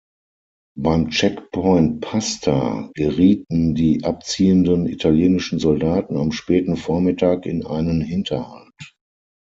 Beim Checkpoint "Pasta" gerieten die abziehenden italienischen Soldaten am späten Vormittag in einen Hinterhalt.